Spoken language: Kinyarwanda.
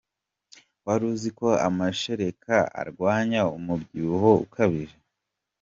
Wari uziko amashereka arwanya umubyibuho ukabije?